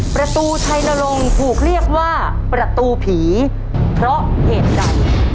ประตูชัยนรงค์ถูกเรียกว่าประตูผีเพราะเหตุใด